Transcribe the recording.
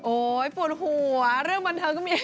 โอ๊ยปวดหัวเรื่องบรรเท้าก็มีอีก